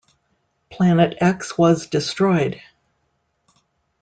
Planet X was destroyed!